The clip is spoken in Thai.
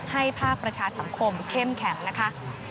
ภาคประชาสังคมเข้มแข็งนะคะ